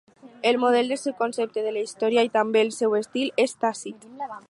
El model del seu concepte de la història i també del seu estil és Tàcit.